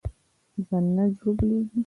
نه ژوبلېږم.